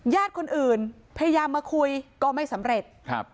ญาติคนอื่นพยายามมาคุยก็ไม่สำเร็จครับ